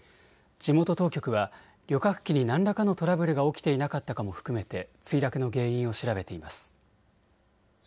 地元当局は旅客機に何らかのトラブルが起きていなかったかも含めて墜落の原因を調べています。